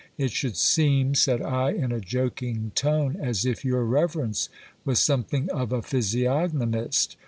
It should seerri, said I in a joking tone, as if your reverence was something of a physiognomist.